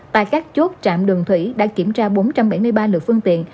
tại các chốt trạm đường thủy đã kiểm tra bốn trăm bảy mươi ba lượt phương tiện